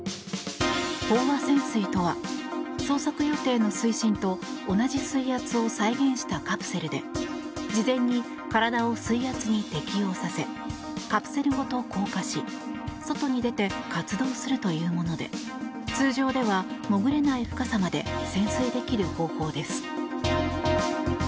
飽和潜水とは捜索予定の水深と同じ水圧を再現したカプセルで事前に体を水圧に適応させカプセルごと降下し外に出て活動するというもので通常では潜れない深さまで潜水できる方法です。